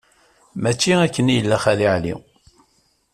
Mačči akken i yella Xali Ɛli.